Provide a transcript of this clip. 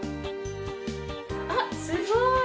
あっすごい！